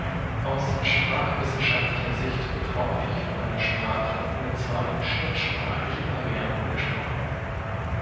Aus sprachwissenschaftlicher Sicht wird häufig von einer Sprache mit zwei schriftsprachlichen Varianten gesprochen.